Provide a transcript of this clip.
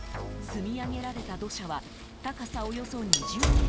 積み上げられた土砂は高さ、およそ２０ｍ。